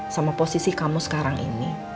sama posisi kamu sekarang ini